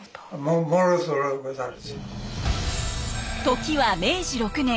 時は明治６年。